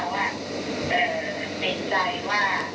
วันไหว